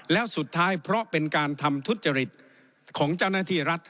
แล้วสุดท้ายเพราะเป็นการทำทุจริตของเจ้าหน้าที่รัฐ